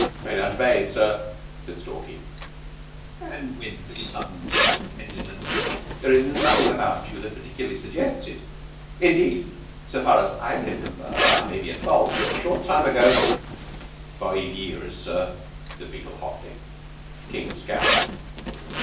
"Going down to bathe, sir," said Stalky. "And whence this sudden zeal for cleanliness? There is nothing about you that particularly suggests it. Indeed, so far as I remember I may be at fault but a short time ago " "Five years, sir," said Beetle hotly. King scowled.